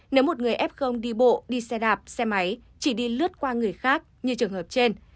nếu một người f đi bộ đi xe đạp xe máy chỉ đi lướt qua người khác như trường hợp trên